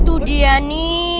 tuh dia nih